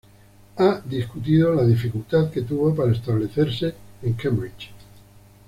Ha discutido la dificultad que tuvo para establecerse en Cambridge.